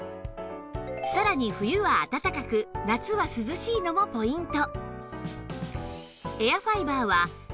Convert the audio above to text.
さらに冬はあたたかく夏は涼しいのもポイント